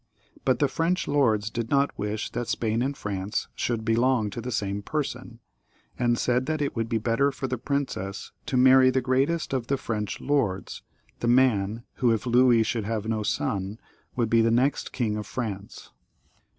But the French lords did not wish that Spain and France should belong to the same person, and said that it would be better for the princess to marry the greatest of the French lords, the man who, if Louis should have no Son, would be the next King of France.